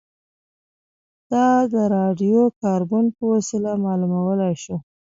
دا د راډیو کاربن په وسیله معلومولای شو